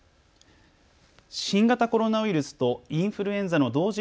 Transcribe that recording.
新型コロナウイルスとインフルエンザの同時